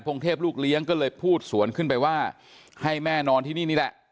เทพลูกเลี้ยงก็เลยพูดสวนขึ้นไปว่าให้แม่นอนที่นี่นี่แหละ